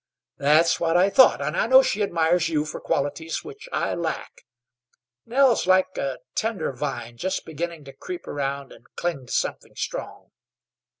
"That's what I thought. And I know she admires you for qualities which I lack. Nell's like a tender vine just beginning to creep around and cling to something strong.